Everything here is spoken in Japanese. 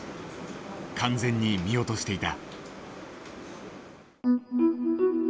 完全に見落としていた。